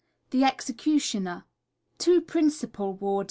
} Executioner. Principal Warder.